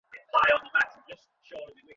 পুরোহিতকুল ইতোমধ্যেই খুব শক্তিশালী হয়ে উঠেছিল।